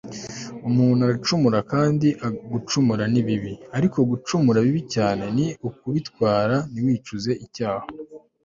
umuntu aracumura kandi gucumura ni bibi ariko gucumura bibi cyane ni ukubitwara ntiwicuze icyaha